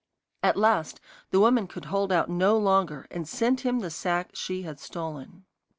At last the woman could hold out no longer, and sent him the sack she had stolen.